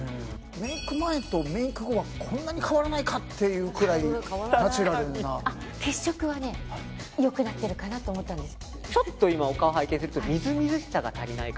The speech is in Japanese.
メイク前とメイク後にこんなに変わらないか！といくくらい血色は良くなってるかなと思ったんです。